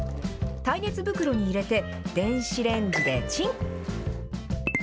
耐熱袋に入れて、電子レンジでチン。